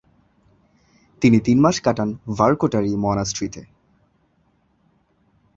তিনি তিন মাস কাটান ভার্কোটারি মনাস্ট্রিতে।